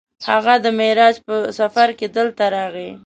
هغه د معراج په سفر کې دلته راغی.